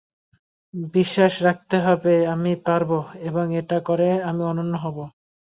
বিশ্বাস রাখতে হবে আমিই পারব এবং এটা করে আমি অনন্য হব।